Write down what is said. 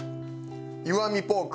石見ポーク！